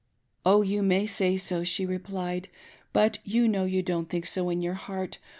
" Oh, you may say so," she replied, " but you know you don't think so in your heart.